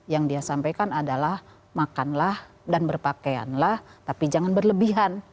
yang dia sampaikan adalah makanlah dan berpakaianlah tapi jangan berlebihan